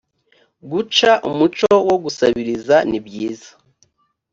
guca umuco wo gusabiriza nibyiza